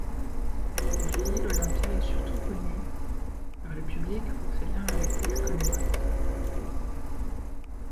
Aujourd'hui, l'Olympia est surtout connu par le public pour ses liens avec l'extrême droite.